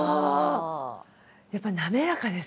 やっぱ滑らかですね。